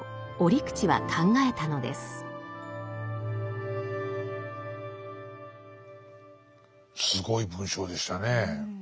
すごい文章でしたねえ。